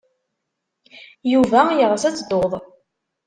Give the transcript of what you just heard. Yuba yeɣs ad teddud.